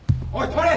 止まれ！